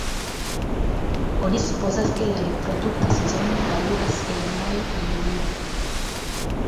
Oni supozas, ke la reprodukta sezono daŭras el majo al julio.